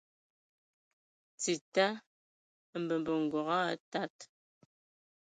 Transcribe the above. Tita mbembə ngoge aa tad.